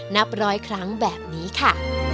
นับร้อยครั้งแบบนี้ค่ะ